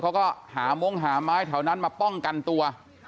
เขาก็หามงหาไม้แถวนั้นมาป้องกันตัว